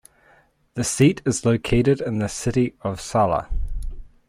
Its seat is located in the city of Sala.